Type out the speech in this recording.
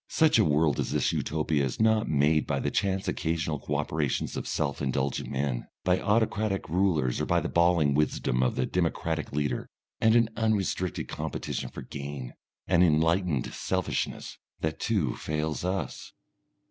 Such a world as this Utopia is not made by the chance occasional co operations of self indulgent men, by autocratic rulers or by the bawling wisdom of the democratic leader. And an unrestricted competition for gain, an enlightened selfishness, that too fails us....